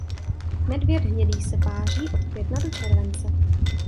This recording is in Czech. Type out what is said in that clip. Medvěd hnědý se páří od května do července.